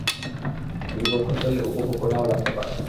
দীর্ঘক্ষণ চললে উপভোগ্য নাও লাগতে পারে।